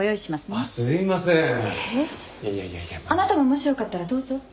あなたももしよかったらどうぞ。